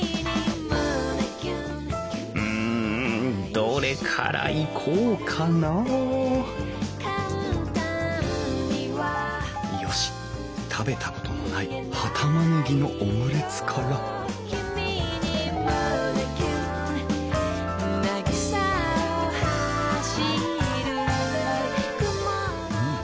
うんどれからいこうかなあよし食べたことのない葉たまねぎのオムレツからうん。